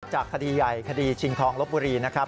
คดีใหญ่คดีชิงทองลบบุรีนะครับ